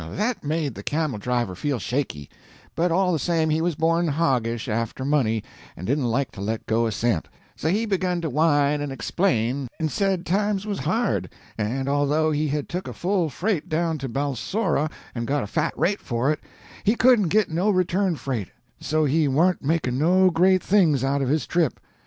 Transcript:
That made the camel driver feel shaky, but all the same he was born hoggish after money and didn't like to let go a cent; so he begun to whine and explain, and said times was hard, and although he had took a full freight down to Balsora and got a fat rate for it, he couldn't git no return freight, and so he warn't making no great things out of his trip.